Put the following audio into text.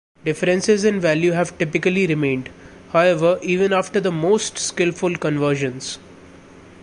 Differences in value have typically remained, however, even after the most skillful conversions.